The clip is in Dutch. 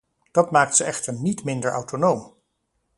Dat maakt ze echter niet minder autonoom.